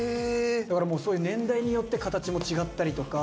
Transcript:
だからもうそういう年代によって形も違ったりとか。